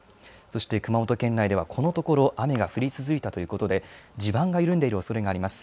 そして熊本県内では、このところ雨が降り続いたということで、地盤が緩んでいるおそれがあります。